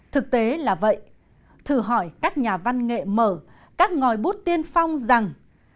thực tế là vậy thử hỏi các nhà văn nghệ mở các ngòi bút tiên phong rằng